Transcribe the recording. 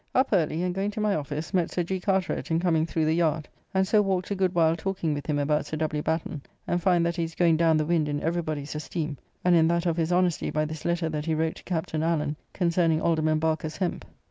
Up early, and, going to my office, met Sir G. Carteret in coming through the yard, and so walked a good while talking with him about Sir W. Batten, and find that he is going down the wind in every body's esteem, and in that of his honesty by this letter that he wrote to Captn. Allen concerning Alderman Barker's hemp.